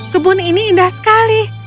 kebun ini indah sekali